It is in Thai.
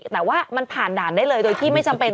แต่ว่ามันผ่านด่านได้เลยโดยที่ไม่จำเป็น